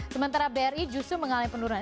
sementara bri justru mengalami penurunan